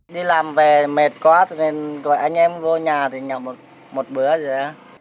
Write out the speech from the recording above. đi làm về mệt quá nên gọi anh em vô nhà thì nhập một bữa rồi á